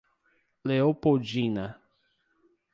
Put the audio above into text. Leopoldina